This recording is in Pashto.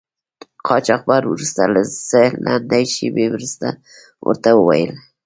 قاچاقبر وروسته له څه لنډې شیبې ورته و ویل.